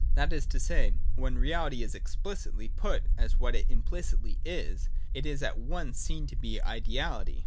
That is to say, when reality is explicitly put as what it implicitly is, it is at once seen to be ideality.